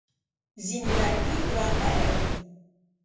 ځینې لرګي ګرانبیه وي.